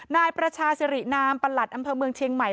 นายประชาสิรินามประหลัดอำเภอเมืองเชียงใหม่